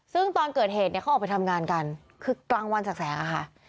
ซึ่งตอนเกิดเหตุเนี่ยเขาออกไปทำงานกันคือกลางวันแสกแสงอะค่ะ